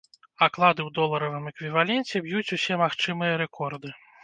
Аклады ў доларавым эквіваленце б'юць усе магчымыя рэкорды.